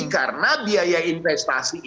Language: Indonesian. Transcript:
karena biaya investasi itu